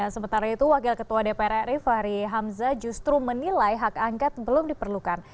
sementara itu wakil ketua dpr ri fahri hamzah justru menilai hak angket belum diperlukan